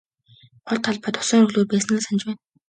Гол талбайд усан оргилуур байсныг л санаж байна.